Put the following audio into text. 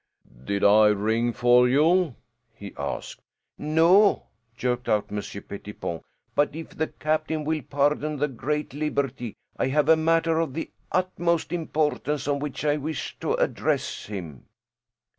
"Did I ring for you?" he asked. "No," jerked out Monsieur Pettipon, "but if the captain will pardon the great liberty, I have a matter of the utmost importance on which I wish to address him."